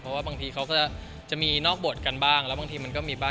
เพราะว่าบางทีเขาก็จะมีนอกบทกันบ้างแล้วบางทีมันก็มีบ้าง